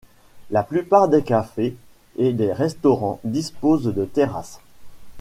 La plupart des cafés et des restaurants disposent de terrasses.